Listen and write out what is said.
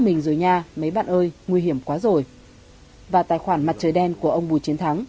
mình rồi nhà mấy bạn ơi nguy hiểm quá rồi và tài khoản mặt trời đen của ông bùi chiến thắng